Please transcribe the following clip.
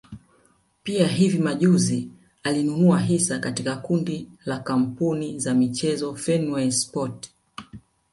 Pia hivi majuzi alinunua hisa katika kundi la kampuni za michezo Fenway sports